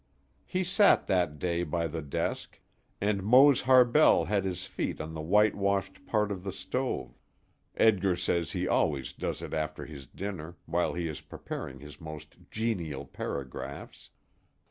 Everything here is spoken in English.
He sat that day by the desk, and Mose Harbell had his feet on the white washed part of the stove, Edgar says he always does it after his dinner, while he is preparing his most "genial" paragraphs.